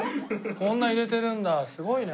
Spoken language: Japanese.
こんな入れてるんだすごいね。